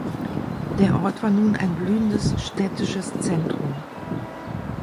Der Ort war nun ein blühendes städtisches Zentrum.